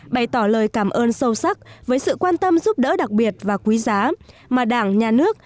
bày tỏ lời cảm ơn sâu sắc với sự quan tâm giúp đỡ đặc biệt và quý giá mà đảng nhà nước